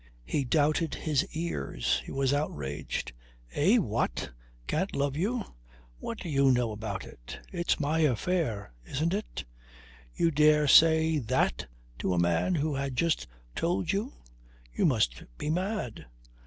He doubted his ears. He was outraged. "Eh? What? Can't love you? What do you know about it? It's my affair, isn't it? You dare say that to a man who has just told you! You must be mad!"